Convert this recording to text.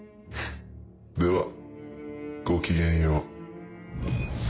ではごきげんよう。